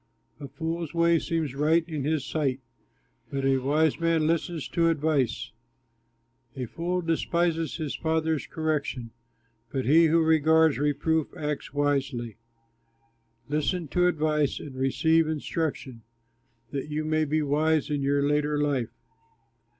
A fool's way seems right in his sight, But a wise man listens to advice. A fool despises his father's correction, But he who regards reproof acts wisely. Listen to advice and receive instruction, That you may be wise in your later life.